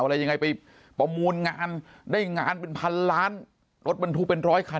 อะไรยังไงไปประมูลงานได้งานเป็นพันล้านรถบรรทุกเป็นร้อยคัน